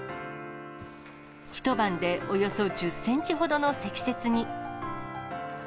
一晩でおよそ１０センチほどの積雪に。